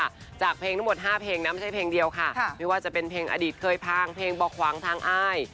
จากเพลงทั้งหมด๕เพลงนะไม่ใช่เพลงเดียวค่ะไม่ว่าจะเป็นเพลงอดีตเคยพังเพลงบอกขวางทางอ้าย